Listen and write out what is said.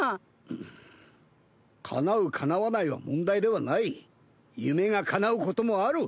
んっかなうかなわないは問題ではない夢がかなうこともある。